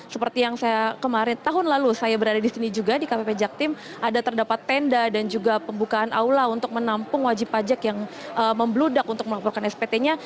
seperti yang saya kemarin tahun lalu saya berada di sini juga di kpp jaktim ada terdapat tenda dan juga pembukaan aula untuk menampung wajib pajak yang membludak untuk melaporkan spt nya